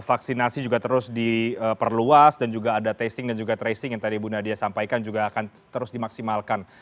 vaksinasi juga terus diperluas dan juga ada testing dan juga tracing yang tadi bu nadia sampaikan juga akan terus dimaksimalkan